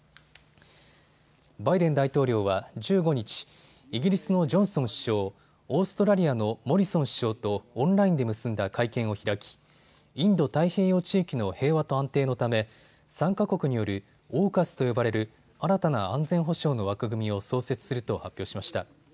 バイデン大統領は１５日、イギリスのジョンソン首相、オーストラリアのモリソン首相とオンラインで結んだ会見を開きインド太平洋地域の平和と安定のため３か国によるＡＵＫＵＳと呼ばれる新たな安全保障の枠組みを創設すると発表しました。